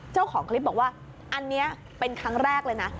เจ้าของคลิปบอกว่าอันนี้เป็นครั้งแรกเลยนะ